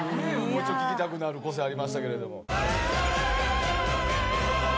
もうちょっと聴きたくなる個性ありましたけれども。